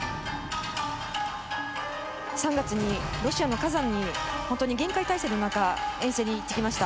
３月にロシアのカザンに厳戒態勢の中、遠征に行ってきました。